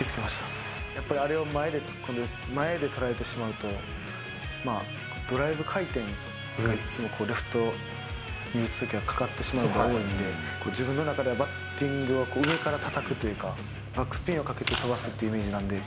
やっぱりあれを前で捉えてしまうと、まあ、ドライブ回転がいっつもレフトに打つときはかかってしまうのが多いんで、自分の中でもバッティングは上からたたくというか、バックスピンをかけて飛ばすっていうイメージなんで。